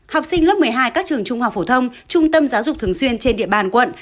học sinh lớp một mươi hai các trường trung học phổ thông trung tâm giáo dục thường xuyên trên địa bàn quận